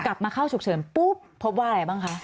มาเข้าฉุกเฉินปุ๊บพบว่าอะไรบ้างคะ